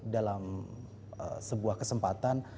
dalam sebuah kesempatan